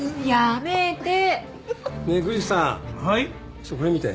ちょっとこれ見て。